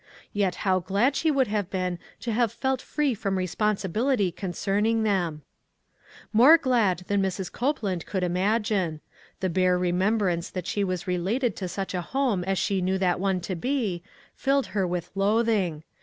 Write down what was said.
Yet how glad she would have been to have felt free from responsibility concerning them ! More glad than Mrs. Copeland could im agine. The bare remembrance that she was related to such a home as she knew that one to be, filled her with loathing.